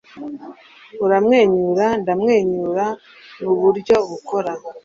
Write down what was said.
Uramwenyura, ndamwenyura. Nuburyo bukora.